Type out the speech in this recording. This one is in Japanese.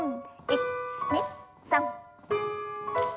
１２３。